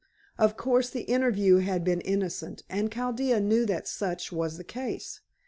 Of course the interview had been innocent, and Chaldea knew that such was the case.